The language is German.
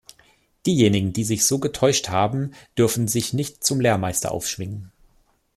Diejenigen, die sich so getäuscht haben, dürfen sich nicht zum Lehrmeister aufschwingen.